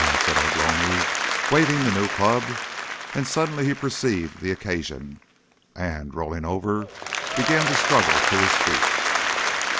said Ugh lomi, waving the new club, and suddenly he perceived the occasion and, rolling over, began to struggle to his feet.